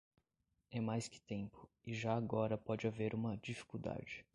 É mais que tempo, e já agora pode haver uma dificuldade.